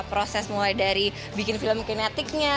proses mulai dari bikin film kinetic nya